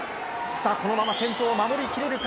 このまま先頭を守り切れるか。